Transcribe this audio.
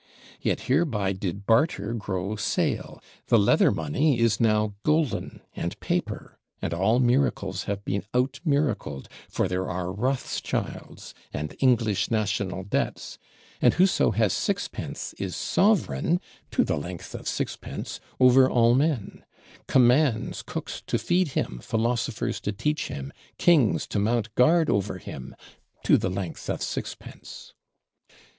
Yet hereby did Barter grow Sale, the Leather Money is now Golden and Paper, and all miracles have been out miracled: for there are Rothschilds and English National Debts; and whoso has sixpence is sovereign (to the length of sixpence) over all men; commands cooks to feed him, philosophers to teach him, kings to mount guard over him, to the length of sixpence.